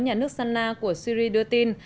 nhà nước sanna của syria đưa tin